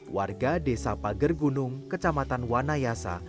warga desa pagergunung kecamatan wanayasa